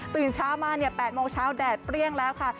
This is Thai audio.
ตื่นเช้ามา๘โมงเช้าแดดเปรี้ยงแล้วค่ะ